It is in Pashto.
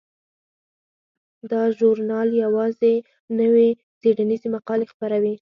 دا ژورنال یوازې نوې څیړنیزې مقالې خپروي.